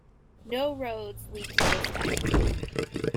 No roads lead to this valley.